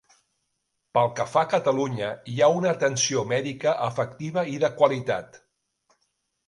Pel que fa a Catalunya, hi ha una atenció mèdica efectiva i de qualitat.